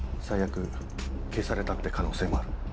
最悪消されたって可能性もある。